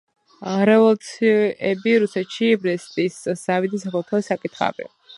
რევოლუციები რუსეთში. ბრესტის ზავი და საქართველოს საკითხავი